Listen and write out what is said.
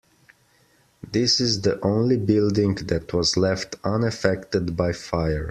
This is the only building that was left unaffected by fire.